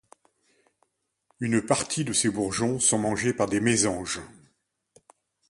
Une partie de ses bourgeons sont mangés par des mésanges.